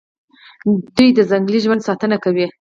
دوی د ځنګلي ژوند ساتنه کوي.